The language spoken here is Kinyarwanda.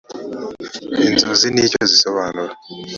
nzozi n icyo zisobanura